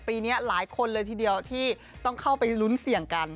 ปีนี้หลายคนเลยทีเดียวที่ต้องเข้าไปลุ้นเสี่ยงกัน